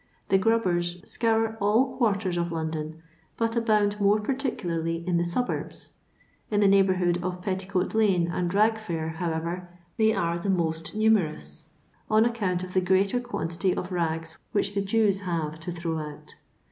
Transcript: The "grubbers" scour all quarters of London, but abound more particu larly in the suburbs. In the neighbourhood of Petticoat lane and Ragfair, however, they are the most numerous on account of the greater quantity of rags which the Jews have to throw out.